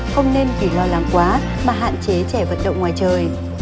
không nên vì lo lắng quá mà hạn chế trẻ vận động ngoài trời